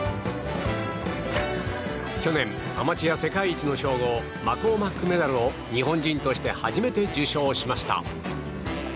去年、アマチュア世界一の称号マコーマックメダルを日本人として初めて受賞しました。